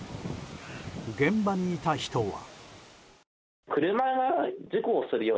現場にいた人は。